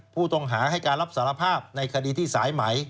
ผู้ต้องหาให้การรับสารภาพในคดีที่สายไหม